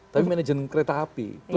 tapi manajemen kereta api